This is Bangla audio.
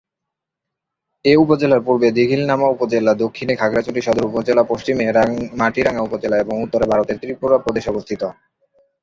এ উপজেলার পূর্বে দীঘিনালা উপজেলা, দক্ষিণে খাগড়াছড়ি সদর উপজেলা, পশ্চিমে মাটিরাঙ্গা উপজেলা এবং উত্তরে ভারতের ত্রিপুরা প্রদেশ অবস্থিত।